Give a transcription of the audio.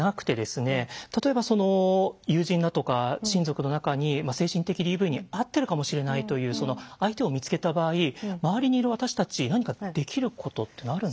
例えば友人だとか親族の中に精神的ＤＶに遭ってるかもしれないというその相手を見つけた場合周りにいる私たち何かできることっていうのはあるんですかね？